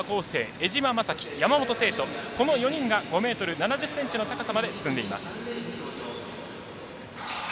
江島雅紀、山本聖途この４人が５ｍ７０ｃｍの高さまで進んでいます。